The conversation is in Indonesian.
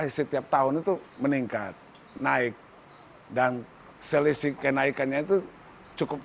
setiap tahun itu meningkat naik dan selisih kenaikannya itu cukup